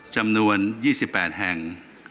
จำนวน๒๘แห่ง